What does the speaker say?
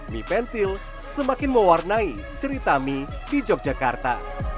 mie pentil semakin mewarnai cerita mie di yogyakarta